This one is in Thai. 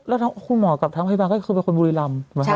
แล้วคุณหมอกับทั้งพยาบาลก็คือเป็นคนบุรีรำ